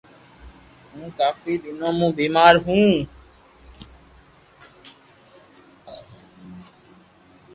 او ڪافو دينو مون بيمار ھتو